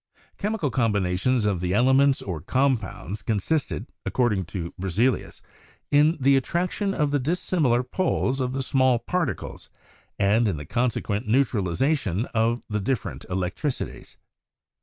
Chemical combinations of the elements or compounds consisted, according to Berzelius, in the attraction of the dissimilar poles of the small particles and in the conse quent neutralization of the different electricities.